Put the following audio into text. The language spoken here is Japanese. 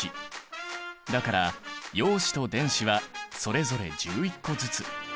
だから陽子と電子はそれぞれ１１個ずつ。